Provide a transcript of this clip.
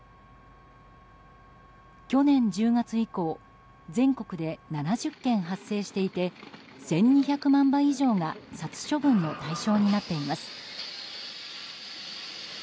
去年１０月以降全国で７０件発生していて１２００万羽以上が殺処分の対象になっています。